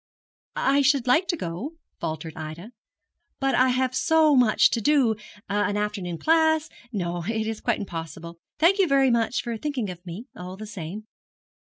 'I should like to go,' faltered Ida, 'but I have so much to do an afternoon class no, it is quite impossible. Thank you very much for thinking of me, all the same.